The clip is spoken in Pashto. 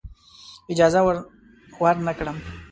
اجازه ورنه کړم.